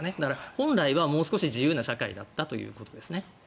本来はもう少し自由な社会だったということですね。